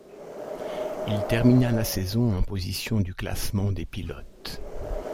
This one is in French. Il termina la saison en position du classement des pilotes.